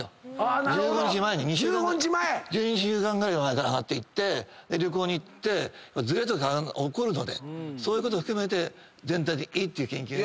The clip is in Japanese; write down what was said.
１５日前に２週間ぐらい前から上がって旅行行ってずれとか起こるのでそういうことを含めて全体的にいいっていう研究が。